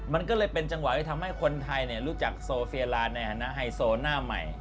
มันก็เลยเป็นจังหวะที่ทำให้คนไทยรู้จักโซเฟียลาในฐานะไฮโซหน้าใหม่